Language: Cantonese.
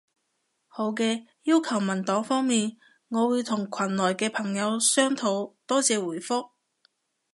好嘅，要求文檔方面，我會同群內嘅朋友商討。多謝回覆